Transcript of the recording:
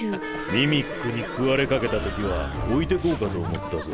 ミミックに食われかけた時は置いてこうかと思ったぞ。